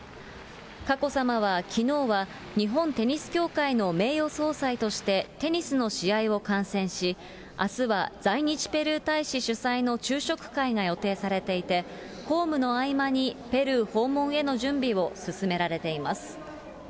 佳子さまはきのうは、日本テニス協会の名誉総裁としてテニスの試合を観戦し、あすは在日ペルー大使主催の昼食会が予定されていて、公務の合間に、ペルー訪問への準備を進められています。